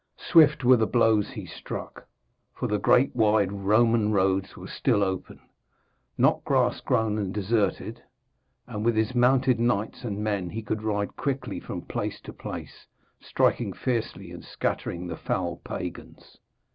Swift were the blows he struck, for the great wide Roman roads were still open, not grass grown and deserted, and with his mounted knights and men he could ride quickly from place to place, striking fiercely and scattering the foul pagans.